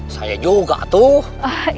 saya juga tuh